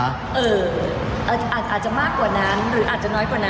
อาจจะมากกว่านั้นหรืออาจจะน้อยกว่านั้น